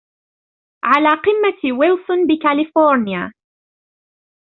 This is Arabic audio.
على قمة ويلسون بكاليفورنيا